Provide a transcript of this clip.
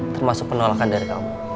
termasuk penolakan dari kamu